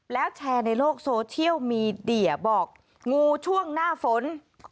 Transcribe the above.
แล้วแชร์ในโลกโซเชียลมีเดียบอกงูช่วงหน้าฝน